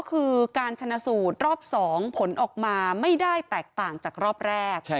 คือการชนะสูตรรอบ๒ผลออกมาไม่ได้แตกต่างจากรอบแรก